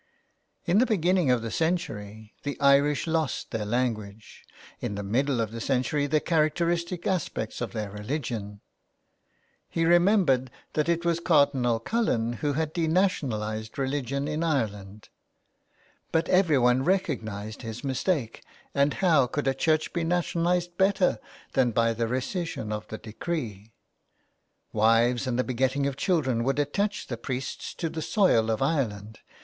In the beginning of the century the Irish lost their language, in the middle of the century the character istic aspects of their religion. He remembered that it was Cardinal CuUen who had denationalised religion in Ireland. But everyone recognised his mistake, and how could a church be nationalised better than by the rescission of the decree? Wives and the begetting of children would attach the priests to the soil of Ireland.